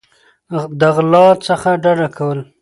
د غلا څخه ډډه کول